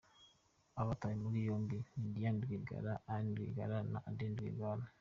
Abatawe muri yombi ni Diane Rwigara, Anne Rwigara na Adeline Rwigara.